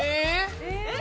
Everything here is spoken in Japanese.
えっ！